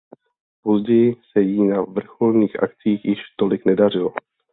Později se jí na vrcholných akcích již tolik nedařilo.